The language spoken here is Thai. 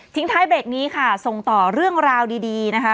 ท้ายเบรกนี้ค่ะส่งต่อเรื่องราวดีนะคะ